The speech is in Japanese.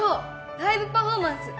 ライブパフォーマンス！